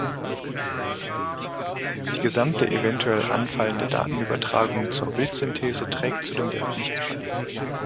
Die gesamte eventuell anfallende Datenübertragung zur Bildsynthese trägt zu dem Wert nichts bei.